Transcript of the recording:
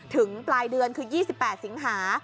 ปลายเดือนคือ๒๘สิงหา